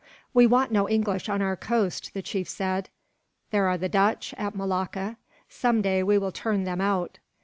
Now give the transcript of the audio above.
"We want no English on our coast," the chief said. "There are the Dutch, at Malacca some day we will turn them out.